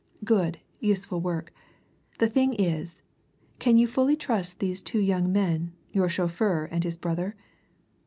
Good, useful work. The thing is can you fully trust these two young men your chauffeur and his brother?"